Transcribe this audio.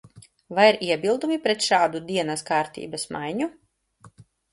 Vai ir iebildumi pret šādu dienas kārtības maiņu?